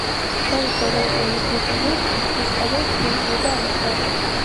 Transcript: დავით ბაგრატიონის მიხედვით, უსტაბაშს ირჩევდა ამქარი.